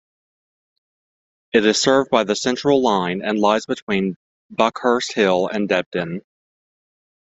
It is served by the Central line and lies between Buckhurst Hill and Debden.